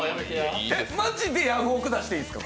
マジでヤフオク！出していいですか？